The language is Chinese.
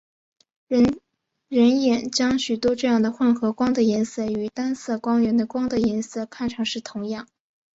人眼将许多这样的混合光的颜色与单色光源的光的颜色看成是同样。